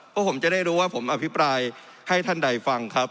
พวกผมจะได้รู้ว่าผมอภิปรายให้ท่านใดฟังครับ